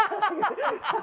ハハハ！